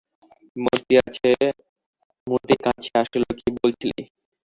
মতি কাছে আসিল কী বলছিলি?